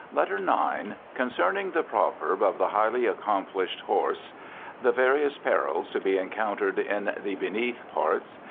LETTER IX Concerning the proverb of the highly accomplished horse. The various perils to be encountered in the Beneath Parts.